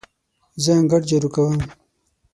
زه انګړ جارو کوم.